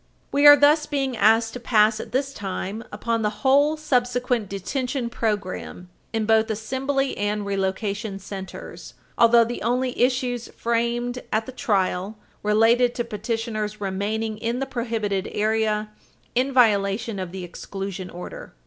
We are thus being asked to pass at this time upon the whole subsequent detention program in both assembly and relocation centers, although the only issues framed at the trial related to petitioner's remaining in the prohibited area in violation of the exclusion order.